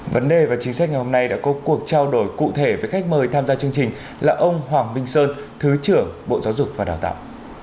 vấn đề và chính sách ngày hôm nay đã có cuộc trao đổi cụ thể với khách mời tham gia chương trình là ông hoàng minh sơn thứ trưởng bộ giáo dục và đào tạo